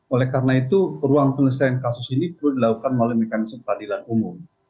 oleh karena itu ruang penyelesaian kasus ini perlu dilakukan melalui mekanisme peradilan umum